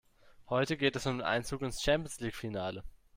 Heute geht es um den Einzug ins Champions-League-Finale.